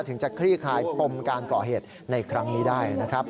ถึงจะคลี่คลายปมการก่อเหตุในครั้งนี้ได้นะครับ